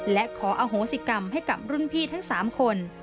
และขออโหสิกรรมให้กับรุ่นพี่ทั้ง๓คน